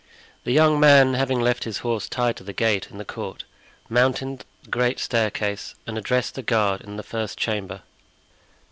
The young man having left his horse tied to the gate in the court, mounted the great staircase and addressed the guard in the first chamber.